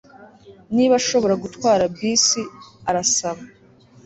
niba ashobora gutwara bisi Arasaba